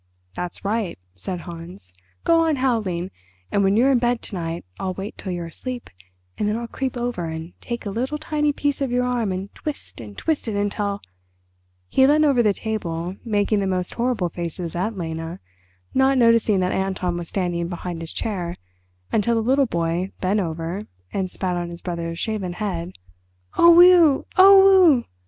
"That's right," said Hans; "go on howling, and when you're in bed to night I'll wait till you're asleep, and then I'll creep over and take a little tiny piece of your arm and twist and twist it until—" He leant over the table making the most horrible faces at Lena, not noticing that Anton was standing behind his chair until the little boy bent over and spat on his brother's shaven head. "Oh, weh! oh, weh!"